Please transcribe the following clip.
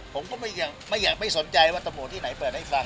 ผมก็ไม่อยากไม่สนใจว่าตำรวจที่ไหนเปิดให้ฟัง